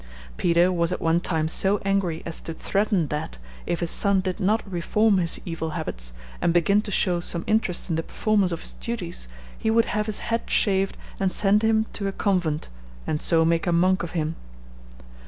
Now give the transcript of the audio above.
Peter was at one time so angry as to threaten that, if his son did not reform his evil habits, and begin to show some interest in the performance of his duties, he would have his head shaved and send him to a convent, and so make a monk of him.